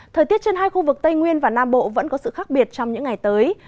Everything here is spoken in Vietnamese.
thời tiết trên hai khu vực tây nguyên và nam bộ vẫn có sự khác biệt trong những ngày tới